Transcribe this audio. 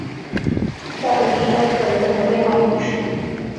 沙尔蒂扎克人口变化图示